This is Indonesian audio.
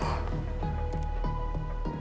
pernah gak tahu